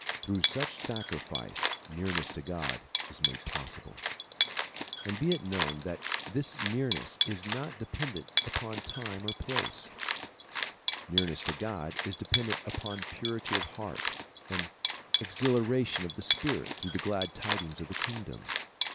Through such sacrifice nearness to God is made possible. And be it known that this nearness is not dependent upon time or place. Nearness to God is dependent upon purity of the heart and exhilaration of the spirit through the glad tidings of the kingdom.